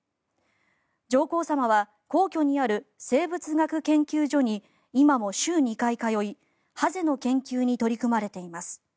上皇さまは皇居にある生物学研究所に今も週２回通いハゼの研究に取り組まれています。